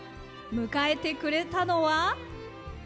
迎えてくれたのは。